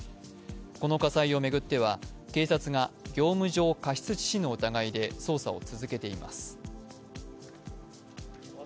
この火災を巡っては、警察が業務上過失致死の疑いで捜査を続けています。